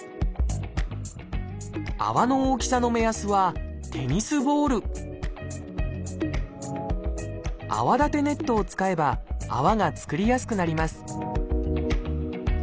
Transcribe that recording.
泡の大きさの目安はテニスボール泡立てネットを使えば泡が作りやすくなります